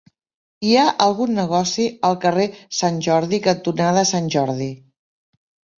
Hi ha algun negoci al carrer Sant Jordi cantonada Sant Jordi?